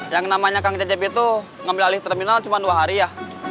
yang namanya kang cecep itu mengambil alih terminal cuma dua hari ya